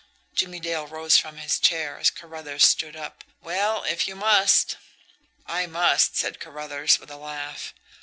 Jimmie Dale rose from his chair as Carruthers stood up. "Well, if you must " "I must," said Carruthers, with a laugh.